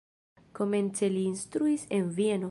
Komence li instruis en Vieno.